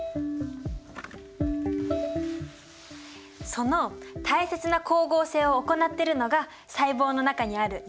その大切な光合成を行ってるのが細胞の中にある葉緑体だよね。